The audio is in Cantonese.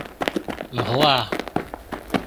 唔好啊！